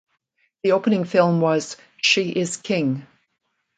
The opening film was "She is King".